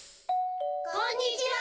・こんにちは！